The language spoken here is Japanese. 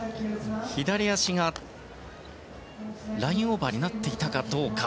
左足がラインオーバーになっていたかどうか。